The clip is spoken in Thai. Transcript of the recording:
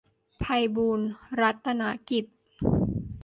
ไพบูลย์รัตนกิจ